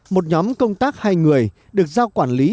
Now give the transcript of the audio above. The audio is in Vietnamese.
một nhóm công tác hai người được giao quản lý